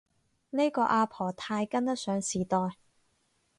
呢個阿婆太跟得上時代